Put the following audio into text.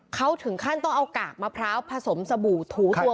เขาถึงขั้นต้องเอากากมะพร้าวผสมสบู่ถูตัว